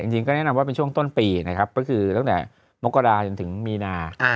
จริงก็แนะนำว่าเป็นช่วงต้นปีนะครับก็คือตั้งแต่มกราจนถึงมีนา